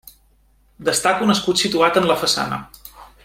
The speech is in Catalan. Destaca un escut situat en la façana.